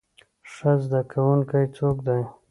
ښه زده کوونکی څوک دی؟